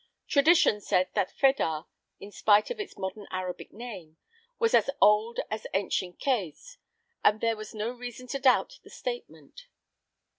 Tradition said that Fedah, in spite of its modern Arabic name, was as old as ancient Qes, and there was no reason to doubt the statement.